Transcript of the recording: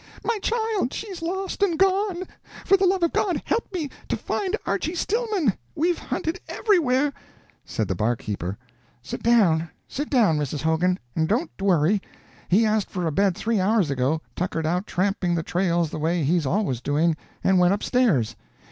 my child! she's lost and gone! For the love of God help me to find Archy Stillman; we've hunted everywhere!" Said the barkeeper: "Sit down, sit down, Mrs. Hogan, and don't worry. He asked for a bed three hours ago, tuckered out tramping the trails the way he's always doing, and went upstairs.